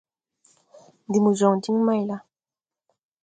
Ndi mo jɔŋ diŋ mayla ?